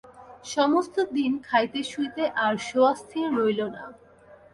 সমস্ত দিন খাইতে শুইতে আর সোয়াস্তি রহিল না।